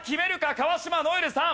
川島如恵留さん